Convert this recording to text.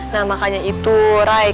nah makanya itu raya